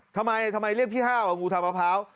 ทำไมทำไมเรียกพี่ห้าวว่างูทางมะพร้าว